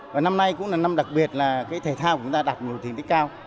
và năm nay cũng là năm đặc biệt là cái thể thao của chúng ta đạt nhiều thành tích cao